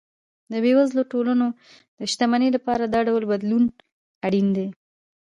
د بېوزلو ټولنو د شتمنۍ لپاره دا ډول بدلون اړین دی.